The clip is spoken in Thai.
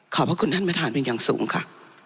พระคุณท่านประธานเป็นอย่างสูงค่ะ